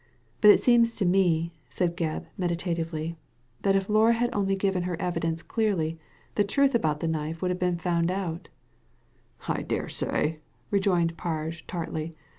But it seems to me," said Gebb, meditatively, " that if Laura had only given her evidence clearly, the truth about the knife would have been found out" I dare say 1 " rejoined Parge, tartly.